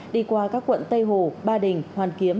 đi qua các quận tây hồ ba đình hoàn kiếm